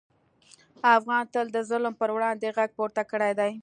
افغان تل د ظلم پر وړاندې غږ پورته کړی دی.